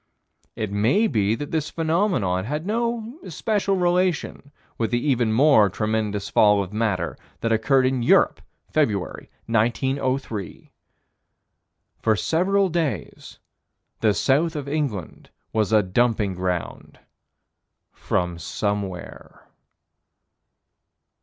It may be that this phenomenon had no especial relation with the even more tremendous fall of matter that occurred in Europe, February, 1903. For several days, the south of England was a dumping ground from somewhere.